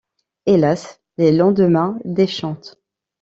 Hélas, les lendemains déchantent.